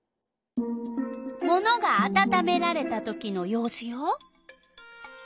ものがあたためられたときの様子よ。